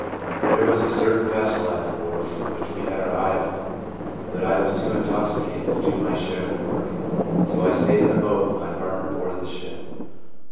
There was a certain vessel at the wharf which we had our eye upon, but I was too intoxica ted to do my share of the work, so I stayed in the boat while my partner boarded the ship.